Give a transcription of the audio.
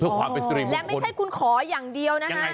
เพื่อความเป็นสริมของคนอย่างไรแล้วไม่ใช่คุณขออย่างเดียวนะค่ะ